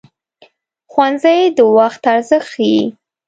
ښوونځی د وخت ارزښت ښيي